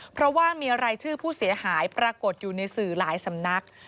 เพราะว่ามีรายชื่อผู้เสียหายปรากฏอยู่ในสื่อหลายสำนัก